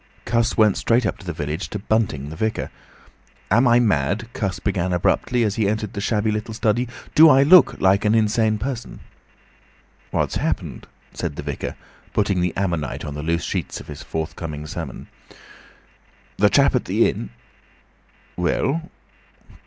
Cuss went straight up the village to Bunting the vicar. "Am I mad?" Cuss began abruptly, as he entered the shabby little study. "Do I look like an insane person?" "What's happened?" said the vicar, putting the ammonite on the loose sheets of his forth coming sermon. "That chap at the inn—" "Well?"